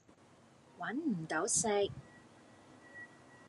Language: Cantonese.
搵唔到食